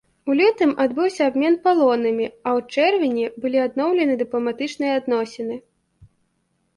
У лютым адбыўся абмен палоннымі, а ў чэрвені былі адноўлены дыпламатычныя адносіны.